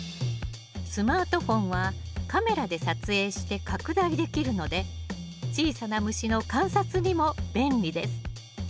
スマートフォンはカメラで撮影して拡大できるので小さな虫の観察にも便利です。